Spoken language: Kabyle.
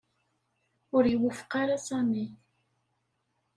Ur iwufeq ara Sami.